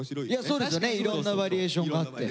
そうですよねいろんなバリエーションがあって。